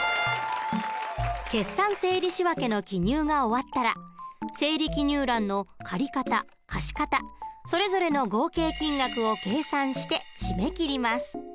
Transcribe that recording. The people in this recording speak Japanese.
決算整理仕訳の記入が終わったら整理記入欄の借方貸方それぞれの合計金額を計算して締め切ります。